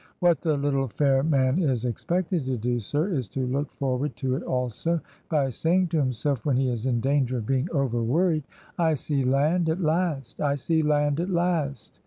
What the little fair man is expected to do, sir, is to look forward to it also, by saying to himself when he is in danger of being over worried, " I see land at last!"' 'I see land at last!'